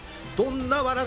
どんな笑